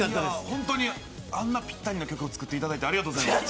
本当にあんなにぴったりな曲を作っていただいてありがとうございます。